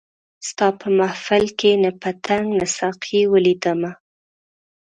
ستا په محفل کي نه پتنګ نه ساقي ولیدمه